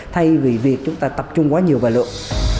thay vì việc chúng ta tập trung quá nhiều vào lượng